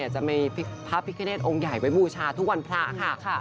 จะมีพระพิคเนตองค์ใหญ่ไว้บูชาทุกวันพระค่ะ